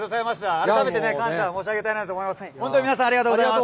改めて感謝申し上げたいと思います。